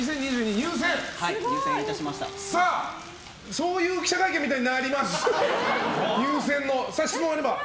そういう記者会見みたいになります、入選の。